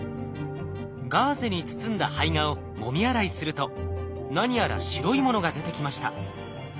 ガーゼに包んだ胚芽をもみ洗いすると何やら白いものが出てきました。